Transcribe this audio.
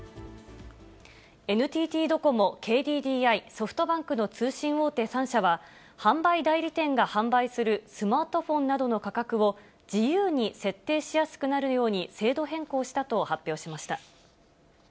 ＮＴＴドコモ、ＫＤＤＩ、ソフトバンクの通信大手３社は、販売代理店が販売するスマートフォンなどの価格を、自由に設定しやすくなるように制度変更したと発表しました。